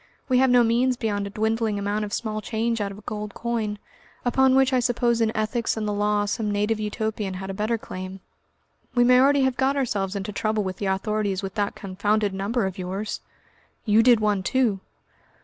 We have no means beyond a dwindling amount of small change out of a gold coin, upon which I suppose in ethics and the law some native Utopian had a better claim. We may already have got ourselves into trouble with the authorities with that confounded number of yours!" "You did one too!"